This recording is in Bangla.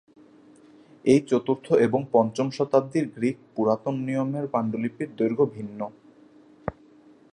এই চতুর্থ এবং পঞ্চম শতাব্দীর গ্রীক পুরাতন নিয়মের পাণ্ডুলিপির দৈর্ঘ্য ভিন্ন।